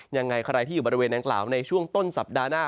ยังไงใครที่อยู่บริเวณนางกล่าวในช่วงต้นสัปดาห์หน้า